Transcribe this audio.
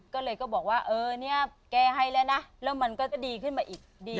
ก็เลยก็บอกว่าเออเนี่ยแก้ให้แล้วนะแล้วมันก็จะดีขึ้นมาอีกดี